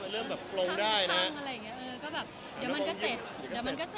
อเจมส์เหลือแต่ภายนอกแล้วก็วิวอินก็ไม่เยอะมาก